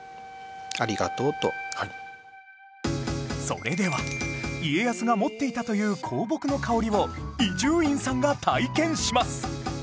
それでは家康が持っていたという香木の香りを伊集院さんが体験します